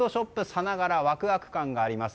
さながらワクワク感があります。